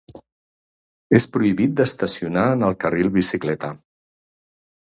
És prohibit d'estacionar en el carril bicicleta.